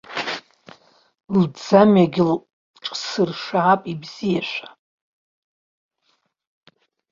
Лӡамҩагь ҿсыршаап ибзиашәа!